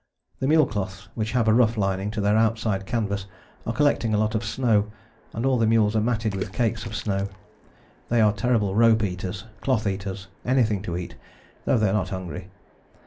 The mule cloths, which have a rough lining to their outside canvas, are collecting a lot of snow, and all the mules are matted with cakes of snow. They are terrible rope eaters, cloth eaters, anything to eat, though they are not hungry.